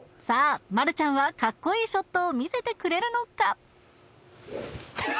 さあマルちゃんはかっこいいショットを見せてくれるのか？